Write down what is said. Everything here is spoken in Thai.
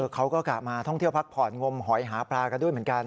เขาก็กลับมาท่องเที่ยวพักผ่อนงมหอยหาปลากันด้วยเหมือนกัน